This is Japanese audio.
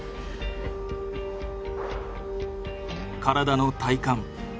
体の体幹。